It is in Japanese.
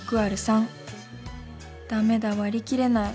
だめだ割り切れない。